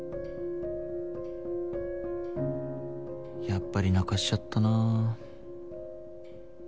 やっぱり泣かしちゃったな。